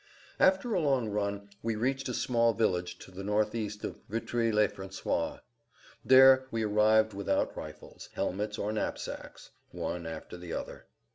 After a long run we reached a small village to the northeast of Vitry le François. There we arrived without rifles, helmets or knapsacks; one after the other.